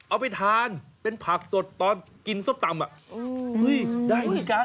เอาไปทานเป็นผักสดตอนกินสต๊อบตำ